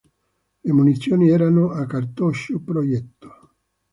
Le munizioni erano a cartoccio-proietto.